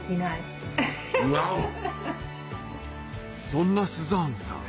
そんなスザーンさん